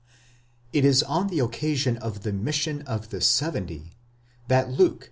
It is on the occasion of the mission of the seventy, that Luke (x.